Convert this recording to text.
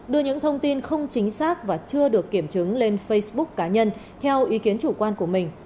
đưa những thông tin không chính xác và chưa được kiểm chứng lên facebook cá nhân theo ý kiến chủ quan của mình